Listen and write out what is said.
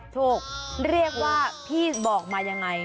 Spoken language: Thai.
ถูกเรียกว่าพี่บอกมายังไง